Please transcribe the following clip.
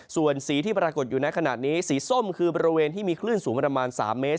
ส่วนสีที่ปรากฏอยู่ในขณะนี้สีส้มคือบริเวณที่มีคลื่นสูงประมาณ๓เมตร